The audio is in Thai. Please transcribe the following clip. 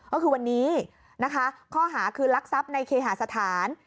ก็คือวันนี้นะคะข้อหาคือรักทรัพย์ในเคหาสถาน